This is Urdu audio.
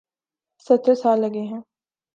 ستر سال لگے ہیں۔